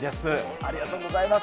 ありがとうございます。